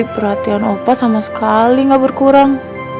perhatian opa sama sekali gak berkurang